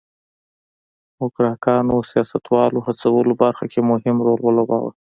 موکراکانو سیاستوالو هڅولو برخه کې مهم رول ولوباوه.